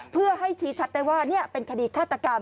เพื่อให้ชี้ชัดได้ว่าเป็นคดีฆาตกรรม